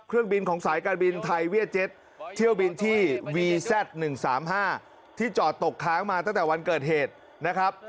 เครื่องบินของสายการบินไทยเวียดเจ็ตเที่ยวบินที่วีแซ่ด๑๓๕ที่จอดตกค้างมาตั้งแต่วันเกิดเหตุนะครับ